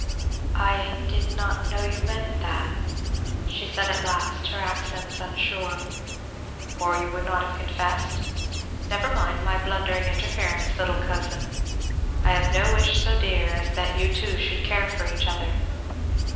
"I did not know you meant that," she said at last, her accents unsure. "Or you would not have confessed? Never mind my blundering interference, little cousin; I have no wish so dear as that you two should care for each other.